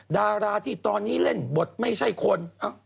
ดาราที่ตอนนี้เล่นบทไม่ใช่คน